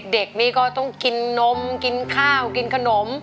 เด็กนี้ก็ต้องกินนมกินข้าวกินขนม